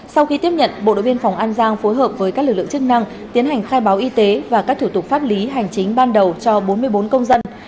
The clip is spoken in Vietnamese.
sau khi tiếp nhận bộ đội biên phòng an giang phối hợp với các lực lượng chức năng tiến hành khai báo y tế và các thủ tục pháp lý hành chính ban đầu cho bốn mươi bốn công dân